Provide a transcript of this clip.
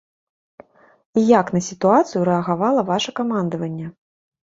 І як на сітуацыю рэагавала ваша камандаванне?